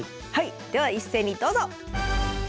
はいでは一斉にどうぞ。